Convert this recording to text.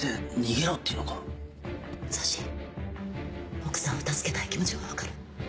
奥さんを助けたい気持ちは分かる。